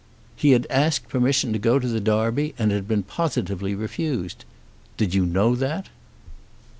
"He had asked permission to go to the Derby and had been positively refused. Did you know that?"